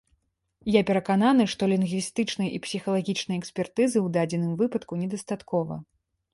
Я перакананы, што лінгвістычнай і псіхалагічнай экспертызы ў дадзеным выпадку недастаткова.